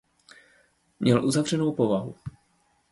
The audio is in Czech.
Měl uzavřenou povahu.